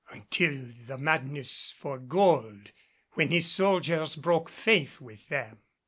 "Until the madness for gold, when his soldiers broke faith with them."